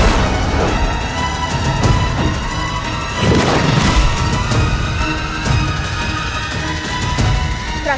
aku akan menangkapmu